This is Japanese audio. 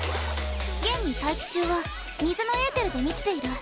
現に大気中は水のエーテルで満ちている。